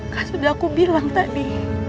kan sudah aku bilang tadi